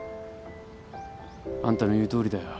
あんたの言うとおりだよ。